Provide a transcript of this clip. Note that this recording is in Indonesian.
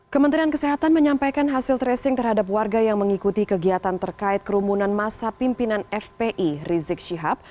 kementerian kesehatan menyampaikan hasil tracing terhadap warga yang mengikuti kegiatan terkait kerumunan masa pimpinan fpi rizik syihab